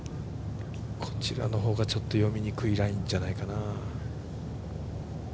こちらの方がちょっと読みにくいラインじゃないかな。